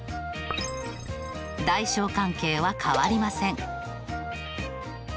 大小関係は変わりません。